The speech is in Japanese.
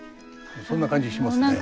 そんな感じしますね。